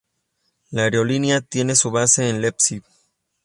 La aerolínea tiene su base en Leipzig.